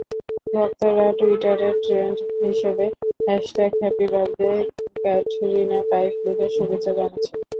ভক্তরা টুইটারে ট্রেন্ড হিসেবে হ্যাসট্যাগ হ্যাপিবার্থডে ক্যাটরিনা কাইফ লিখে শুভেচ্ছা জানাচ্ছেন।